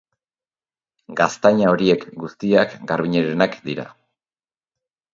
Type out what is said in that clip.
Gaztaina horiek guztiak Garbiñerenak dira.